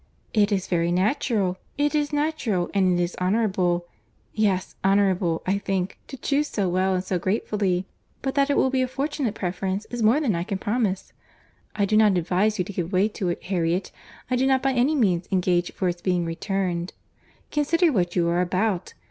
"It is very natural. It is natural, and it is honourable.—Yes, honourable, I think, to chuse so well and so gratefully.—But that it will be a fortunate preference is more than I can promise. I do not advise you to give way to it, Harriet. I do not by any means engage for its being returned. Consider what you are about.